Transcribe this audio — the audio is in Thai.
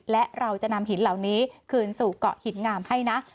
และเราจะนำหินเหล่านี้คืนสู่เกาะหินงามให้นะ